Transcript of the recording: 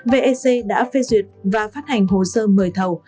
vec đã phê duyệt và phát hành hồ sơ mời thầu